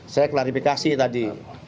saya klarifikasi tadi